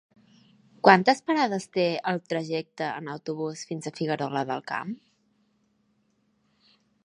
Quantes parades té el trajecte en autobús fins a Figuerola del Camp?